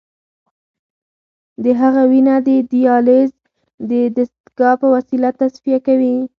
د هغه وینه د دیالیز د دستګاه په وسیله تصفیه کوي.